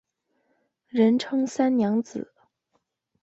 人称三娘子。